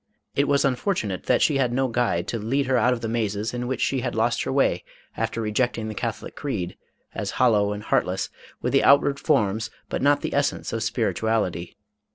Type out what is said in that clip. It was unfor tunate that she had no guide to lead her out of the mazes in which she had lost her way after rejecting the Catholic creed, as hollow and heartless, with the outward forms but not the essence of spirituality.